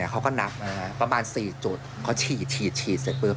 เขาก็นับประมาณ๔จุดเขาฉีดฉีดเสร็จปุ๊บ